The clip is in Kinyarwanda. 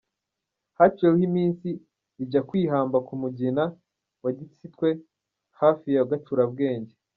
Haciyeho iminsi, ijya kwihamba ku Mugina wa Gisitwe, hafi ya Gacurabwenge.